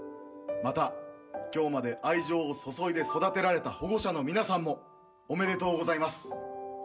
また今日まで愛情を注いで育てられた保護者の皆さんもおめでとうございます。